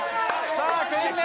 さぁ９人目。